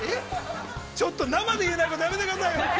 ちょっと、生で言えないことやめてくださいよ。